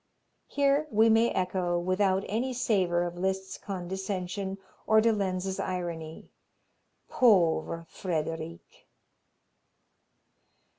Here we may echo, without any savor of Liszt's condescension or de Lenz's irony: "Pauvre Frederic!"